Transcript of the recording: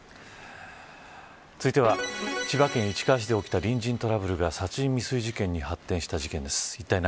続いては、千葉県市川市で起きた隣人トラブルが殺人未遂事件に発展したトラブルです。